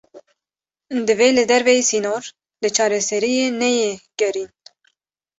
Divê li derveyî sînor, li çareseriyê neyê gerîn